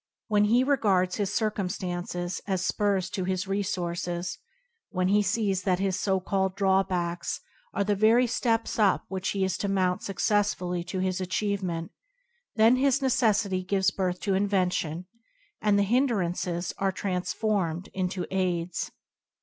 When he regards his circum stances as spurs to his resources, when he sees that his so called "drawbacks" are the very steps up which he is to mount success fully to his achievement, then his necessity gives birth to invention, and the "hin drances" are transformed into aids.